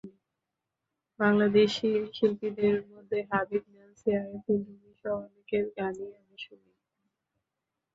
বাংলাদেশি শিল্পীদের মধ্যে হাবিব, ন্যান্সি, আরফিন রুমিসহ অনেকের গানই আমি শুনি।